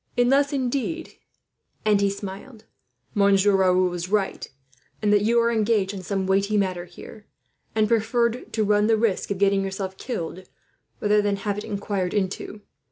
"Unless, indeed," and he smiled, "Monsieur Raoul was right, and that you are engaged on some weighty matter here, and preferred to run the risk of getting yourself killed rather than have it inquired into.